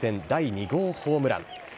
第２号ホームラン。